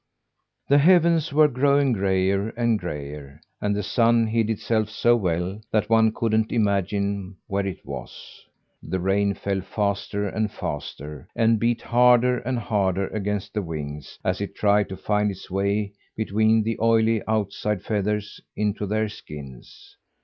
The heavens were growing grayer and grayer and the sun hid itself so well that one couldn't imagine where it was. The rain fell faster and faster, and beat harder and harder against the wings, as it tried to find its way between the oily outside feathers, into their skins.